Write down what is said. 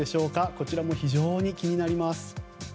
こちらも非常に気になります。